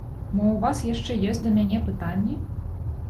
Мо ў вас яшчэ ёсць да мяне пытанні?